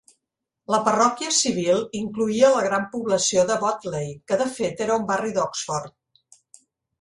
La parròquia civil incloïa la gran població de Botley, que de fet era un barri d'Oxford.